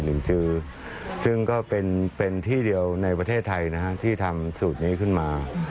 ที่ดูว์ไว้เวลาถึงก็เป็นที่เดียวในประเทศไทยที่ทำสูตรนี้ขึ้นมา